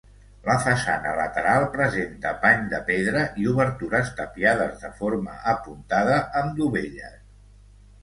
La façana lateral presenta pany de pedra i obertures tapiades de forma apuntada amb dovelles.